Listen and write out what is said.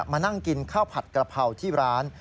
มานั่งกินข้าวผัดกระเพราที่ร้าน